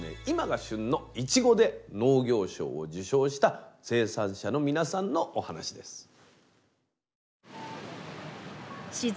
今が旬のいちごで農業賞を受賞した生産者の皆さんのお話です。